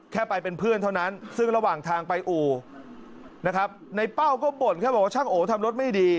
แค่ไปเป็นเพื่อนเท่านั้นซึ่งระหว่างทางไปอู่นะครับในเป้าก็บ่นแค่บอกว่าช่างโอทำรถไม่ดี